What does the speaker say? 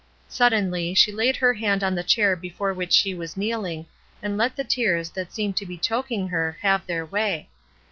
Suddenly, she laid her head on the chair before which she was kneeling, and let the tears that seemed to be choking her have their way.